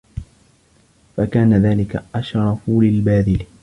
فَكَانَ ذَلِكَ أَشْرَفَ لِلْبَاذِلِ